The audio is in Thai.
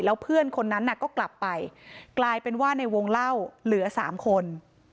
แล้วเพื่อนคนนั้นน่ะก็กลับไปกลายเป็นว่าในวงเล่าเหลือ๓คน